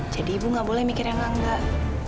jadi ibu gak boleh mikir yang enggak